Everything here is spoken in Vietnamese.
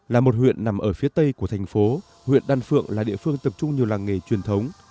là một huyện nằm ở phía tây của thành phố huyện đan phượng là địa phương tập trung nhiều làng nghề truyền thống